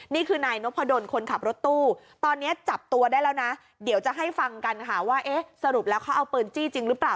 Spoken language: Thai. นี่คือนายนพดลคนขับรถตู้ตอนนี้จับตัวได้แล้วนะเดี๋ยวจะให้ฟังกันค่ะว่าเอ๊ะสรุปแล้วเขาเอาปืนจี้จริงหรือเปล่า